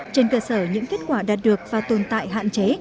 trên cơ sở những kết quả đạt được và tồn tại hạn chế